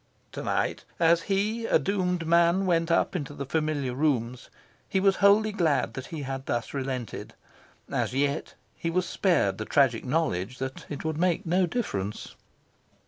To night, as he, a doomed man, went up into the familiar rooms, he was wholly glad that he had thus relented. As yet, he was spared the tragic knowledge that it would make no difference.